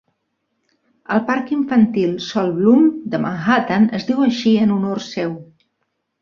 El parc infantil Sol Bloom de Manhattan es diu així en honor seu.